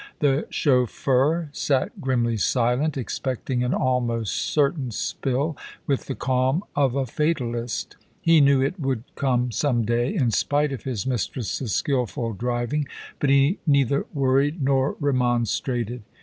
The chauffeur sat grimly silent, expecting an almost certain spill, with the calm of a fatalist. He knew it would come some day, in spite of his mistress's skilful driving, but he neither worried nor remonstrated.